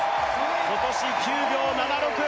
今年９秒７６